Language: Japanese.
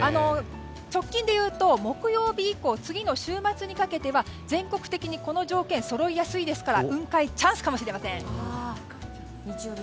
直近でいうと、木曜日以降次の週末にかけては全国的にこの条件がそろいやすいですから雲海チャンスかもしれません。